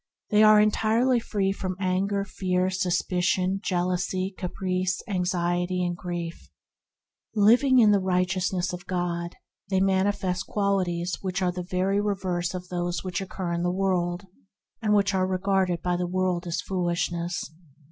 They are entirely free from anger, fear, suspicion, jealousy, caprice, anxiety, and grief. Living in the Righteousness of God, they manifest qualities the reverse of those obtaining in the world, which are regarded by the world as foolish ness.